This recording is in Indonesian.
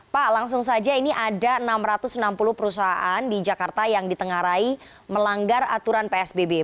pak langsung saja ini ada enam ratus enam puluh perusahaan di jakarta yang ditengarai melanggar aturan psbb